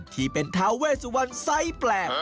ที่เป็นธาว่าเวสวรไซม์แปลก